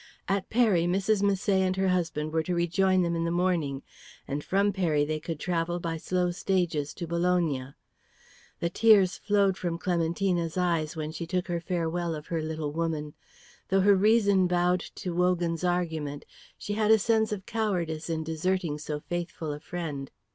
At Peri, Mrs. Misset and her husband were to rejoin them in the morning, and from Peri they could travel by slow stages to Bologna. The tears flowed from Clementina's eyes when she took her farewell of her little woman. Though her reason bowed to Wogan's argument, she had a sense of cowardice in deserting so faithful a friend.